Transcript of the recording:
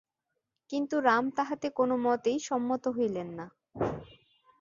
কিন্তু রাম তাহাতে কোনমতেই সম্মত হইলেন না।